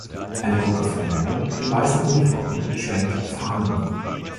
Eine Gruppe von Männern in weißen Uniformen schwenkt Fahnen.